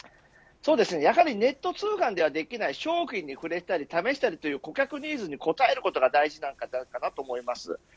やはりネット通販ではできない商品に触れたり試したりという顧客ニーズに応えることが大事だと思います。